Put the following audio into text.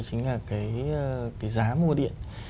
chính là cái giá mua điện